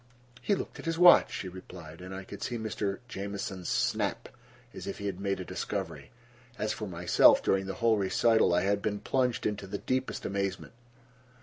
"He looked at his watch," she replied, and I could see Mr. Jamieson's snap, as if he had made a discovery. As for myself, during the whole recital I had been plunged into the deepest amazement.